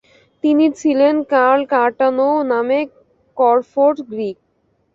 তিনি ছিলেন ক্যাল কার্টানৌ নামে করফোর গ্রীক।